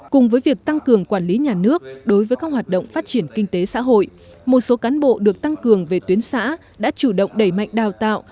cùng với việc tăng cường quản lý nhà nước đối với các hoạt động phát triển kinh tế xã hội một số cán bộ được tăng cường về tuyến xã đã chủ động đẩy mạnh đào tạo